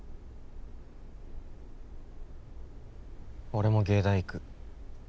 俺も藝大行く